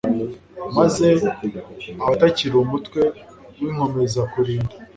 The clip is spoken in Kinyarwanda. maze abatakili umutwe winkomezakulinda